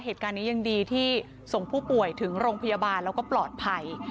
เหตุการณ์นี้ยังดีที่ส่งผู้ป่วยถึงโรงพยาบาลแล้วก็ปลอดภัย